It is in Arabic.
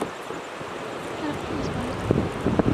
حرقت اصبعي.